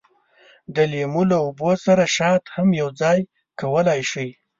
د لیمو له اوبو سره شات هم یوځای کولای شئ.